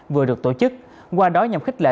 vừa được tổ chức qua đó nhằm khích lệ